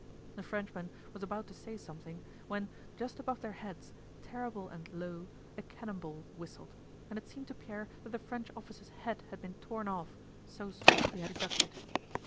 The Frenchman was about to say something, when just above their heads, terrible and low, a cannon ball whistled, and it seemed to Pierre that the French officer's head had been torn off, so swiftly had he ducked it.